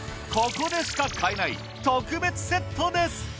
ここでしか買えない特別セットです！